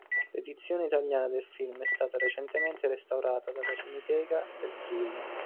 L'edizione italiana del film è stata recentemente restaurata dalla Cineteca del Friuli.